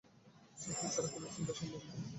শব্দ ছাড়া কোন চিন্তা সম্ভব নয়।